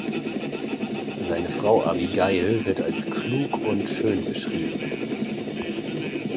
Seine Frau Abigail wird als klug und schön beschrieben.